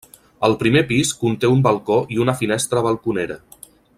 El primer pis conté un balcó i una finestra balconera.